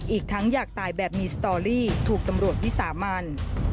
อีกทั้งอยากตายแบบมีสตอรี่ถูกตำรวจวิสามัน